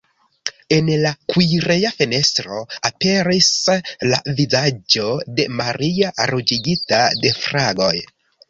En la kuireja fenestro aperis la vizaĝo de Maria, ruĝigita de fragoj.